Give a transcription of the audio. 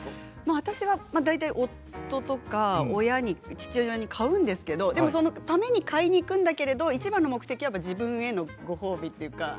私は夫とか父親に買うんですけれどそのために買いに行くんだけれどいちばんの目的は自分へのご褒美というか。